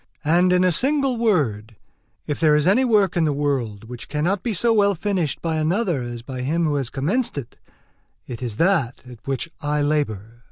And, in a single word, if there is any work in the world which cannot be so well finished by another as by him who has commenced it, it is that at which I labour.